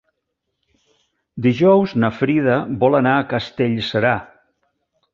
Dijous na Frida vol anar a Castellserà.